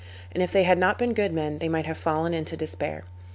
And if they had not been good men they might have fallen into despair.